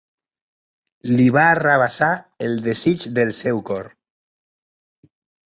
Li va arrabassar el desig del seu cor.